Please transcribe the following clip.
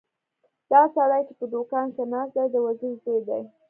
دا سړی چې په دوکان کې ناست دی د وزیر زوی دی.